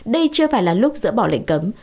đây chưa phải là lúc dỡ bỏ lệnh cấm